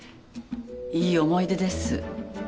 いい思い出です。